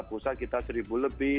pusat kita seribu lebih